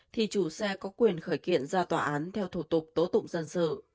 thì chủ xe có quyền khởi kiện ra tòa án theo thủ tục tố tụng dân sự